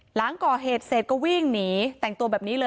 หลังก่อเหตุเสร็จก็วิ่งหนีแต่งตัวแบบนี้เลย